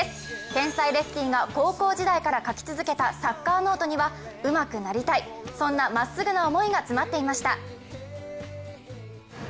天才レフティーが高校時代から書き続けたサッカーノートにはうまくなりたいそんなまっすぐな思いが詰まっていました。